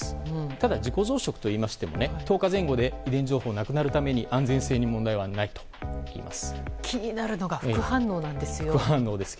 ただ自己増殖といいますけど１０日前後で遺伝情報がなくなるために安全性に気になるのが副反応なんです。